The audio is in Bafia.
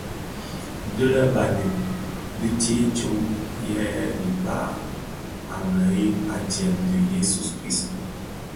Dii lè Banèn di a tsee tsom yè tara kpag a bheg adyèm dhi Jesu - Kristus.